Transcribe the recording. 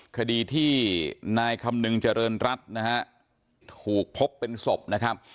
คดีที่นายคำนึงเจริญรัฐนะฮะถูกพบเป็นศพนะครับ